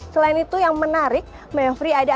selain itu yang menarik may tiga ada agensi